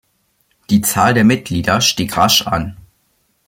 Die Zahl der Mitglieder stieg rasch an.